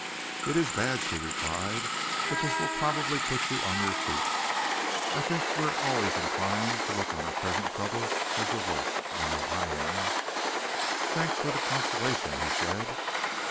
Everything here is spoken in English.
"It is bad," she replied, "but this will probably put you on your feet. I think we're always inclined to look on our present troubles as the worst. I know I am." "Thanks for the consolation," he said.